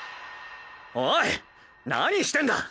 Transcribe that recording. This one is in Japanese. おい何してんだ！